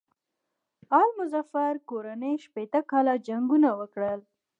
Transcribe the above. آل مظفر کورنۍ شپېته کاله جنګونه وکړل.